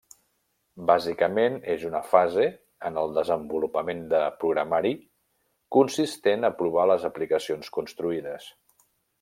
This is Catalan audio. Bàsicament és una fase en el desenvolupament de programari consistent a provar les aplicacions construïdes.